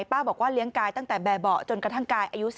บอกว่าเลี้ยงกายตั้งแต่แบบเบาะจนกระทั่งกายอายุ